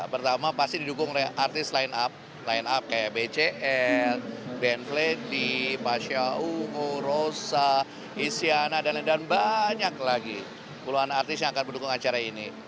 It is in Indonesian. pertama pasti didukung artis line up line up kayak bcs ben fleti pasha ungu rosa isyana dan banyak lagi puluhan artis yang akan mendukung acara ini